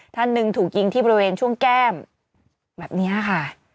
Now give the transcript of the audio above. ท่านหนึ่งถูกยิงที่บริเวณช่วงแก้มแบบนี้ค่ะ